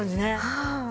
はい。